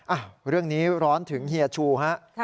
อ่ะเรื่องนี้ร้อนถึงเฮียชูฮะ